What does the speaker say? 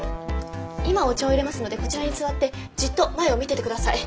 今お茶をいれますのでこちらに座ってじっと前を見てて下さい。